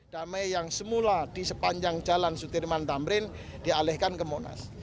damai yang semula di sepanjang jalan sudirman tamrin dialihkan ke monas